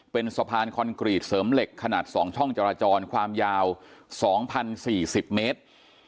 เป็นสะพานคอนกรีตเสริมเหล็กขนาดสองช่องจราจรความยาวสองพันสี่สิบเมตร